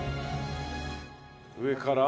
上から？